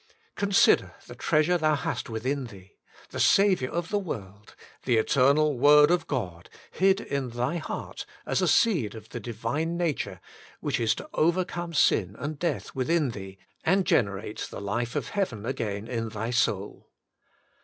Consider the treasure thou hast within thee, the Saviour of the world, the eternal Word of God, hid in thy heart as a seed of the Divine Nature which is to overcome sin and death within thee, and generate the life of heaven again in thy soul.